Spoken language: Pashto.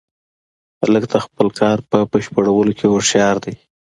هلک د خپل کار په بشپړولو کې هوښیار دی.